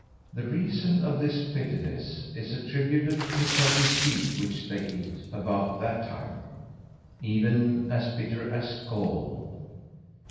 The reason of this bitterness is attributed to a certain seed which they eat about that time, even as bitter as gall.